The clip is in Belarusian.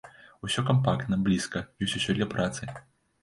Усё кампактна, блізка, ёсць усё для працы.